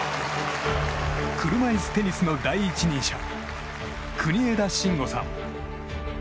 車いすテニスの第一人者国枝慎吾さん。